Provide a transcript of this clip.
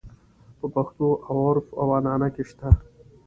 په پښتو او عُرف او عنعنه کې شته.